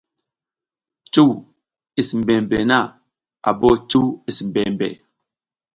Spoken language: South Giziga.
Cuw is mbembe na a bo cuw is mbembe.